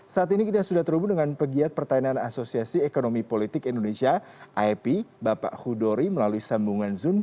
saat ini kita sudah terhubung dengan pegiat pertanyaan asosiasi ekonomi politik indonesia aip bapak hudori melalui sambungan zoom